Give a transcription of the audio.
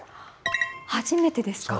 初めてですか。